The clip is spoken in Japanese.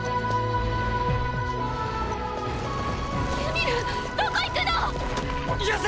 ユミルどこ行くの⁉よせ！